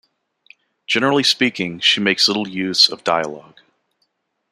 Generally speaking, she makes little use of dialogue.